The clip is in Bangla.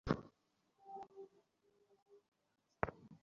মনে হয় পেয়ে গেছি!